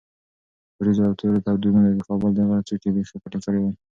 ورېځو او تورو دودونو د کابل د غره څوکې بیخي پټې کړې وې.